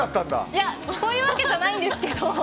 いや、そういうわけじゃないんですけど。